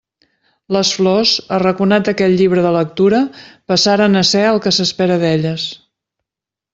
Les flors, arraconat aquell llibre de lectura, passaren a ser el que s'espera d'elles.